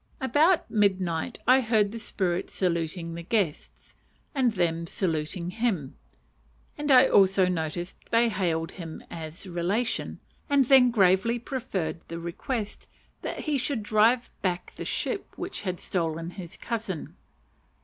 About midnight I heard the spirit saluting the guests, and them saluting him; and I also noticed they hailed him as "relation," and then gravely preferred the request that he would "drive back the ship which had stolen his cousin."